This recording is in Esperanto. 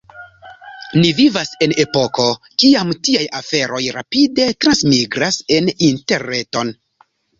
Ni vivas en epoko, kiam tiaj aferoj rapide transmigras en Interreton.